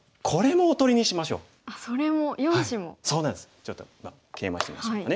ちょっとケイマしてみましょうかね。